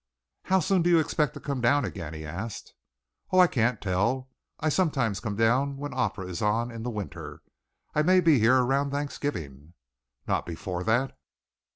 "How soon do you expect to come down again?" he asked. "Oh, I can't tell. I sometimes come down when Opera is on in the winter. I may be here around Thanksgiving." "Not before that?"